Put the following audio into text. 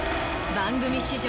番組史上